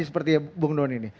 seperti bung noni ini